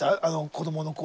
子どもの頃。